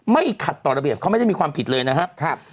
ขัดต่อระเบียบเขาไม่ได้มีความผิดเลยนะครับ